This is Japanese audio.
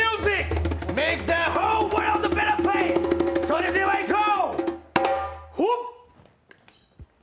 それではいこう！